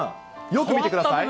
よく見てください。